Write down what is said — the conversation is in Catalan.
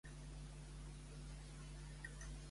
Afegir un ítem a la llista que tinc de Crunchyroll.